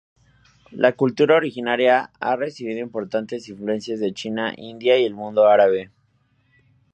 La cultura originaria ha recibido importantes influencias de China, India y el mundo árabe.